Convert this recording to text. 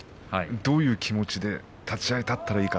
どういう気持ちで立ち合い立ったらいいのか